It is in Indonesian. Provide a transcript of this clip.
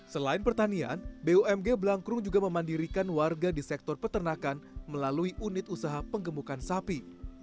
selain pertanian bumg blangkrum juga memandirikan warga di sektor peternakan melalui unit usaha penggemukan sapi